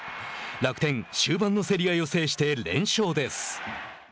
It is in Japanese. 楽天、終盤の競り合いを制して連勝です。